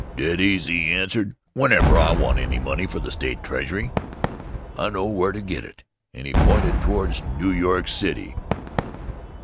"Dead easy," he answered. "Whenever I want any money for the State Treasury, I know where to get it," and he pointed toward New York City.